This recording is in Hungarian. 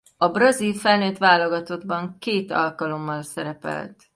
A brazil felnőtt válogatottban két alkalommal szerepelt.